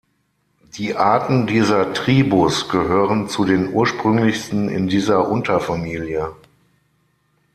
Die Arten dieser Tribus gehören zu den ursprünglichsten in dieser Unterfamilie.